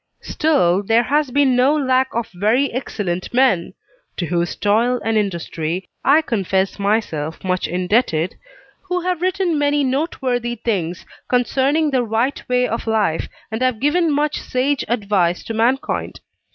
Still there has been no lack of very excellent men (to whose toil and industry I confess myself much indebted), who have written many noteworthy things concerning the right way of life, and have given much sage advice to mankind.